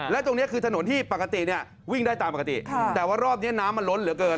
และตรงนี้คือถนนที่ปกติเนี่ยวิ่งได้ตามปกติแต่ว่ารอบนี้น้ำมันล้นเหลือเกิน